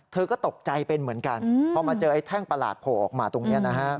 เธอก็ตกใจเป็นเหมือนกันพอมาเจอไอ้แท่งประหลาดโผล่ออกมาตรงนี้นะฮะ